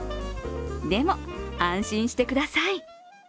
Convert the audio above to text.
でも、安心してください。